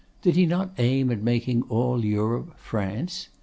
Did he not aim at making all Europe France?